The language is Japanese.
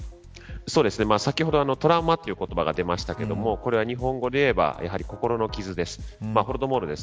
先ほどトラウマという言葉が出ましたがこれは日本語で言えば心の傷です。